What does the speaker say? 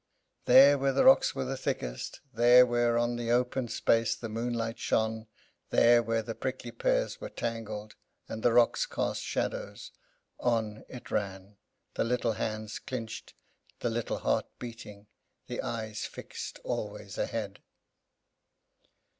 There, where the rocks were the thickest; there, where on the open space the moonlight shone; there, where the prickly pears were tangled, and the rocks cast shadows, on it ran; the little hands clinched, the little heart beating, the eyes fixed always ahead.